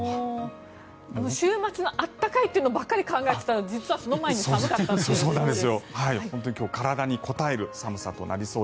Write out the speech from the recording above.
週末の暖かいところばかり考えていたら実はその前に寒かったという。